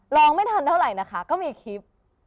ไม่ทันเท่าไหร่นะคะก็มีคลิป